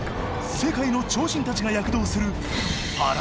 世界の超人たちが躍動する